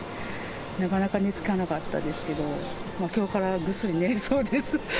なかなか寝つかなかったですけど、きょうからぐっすり寝れそうです。